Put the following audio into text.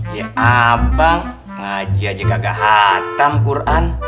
ya abang ngaji aja kagak hatam quran